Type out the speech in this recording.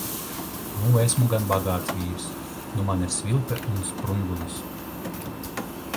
Nu esmu gan bagāts vīrs. Nu man ir svilpe un sprungulis!